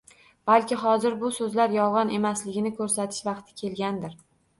Balki hozir bu so'zlar yolg'on emasligini ko'rsatish vaqti kelgandir?